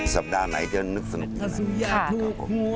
สัปดาห์ไหนเดี๋ยวนึกสนุกกันนะครับค่ะครับผม